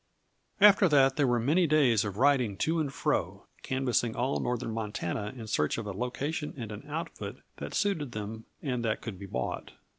After that there were many days of riding to and fro, canvassing all northern Montana in search of a location and an outfit that suited them and that could be bought.